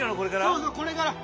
そうそうこれから。